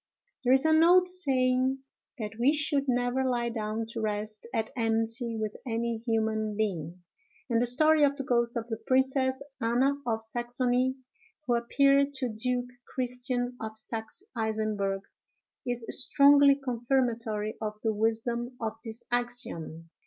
There is an old saying, that we should never lie down to rest at enmity with any human being; and the story of the ghost of the Princess Anna of Saxony, who appeared to Duke Christian of Saxe Eisenburg, is strongly confirmatory of the wisdom of this axiom.